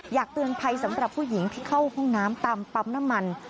อยากเตือนภัยสำหรับผู้หญิงที่เข้าห้องน้ำตามปั๊มน้ำมัน